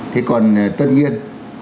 thế còn tất nhiên